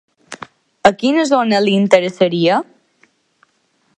A quina zona li interessaria?